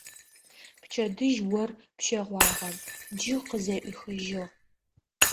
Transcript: Пчэдыжь ор пщэгъуагъэ, джы къызэӏуихыжьыгъ.